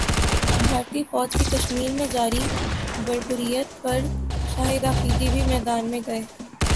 بھارتی فوج کی کشمیرمیں جاری بربریت پر شاہدافریدی بھی میدان میں گئے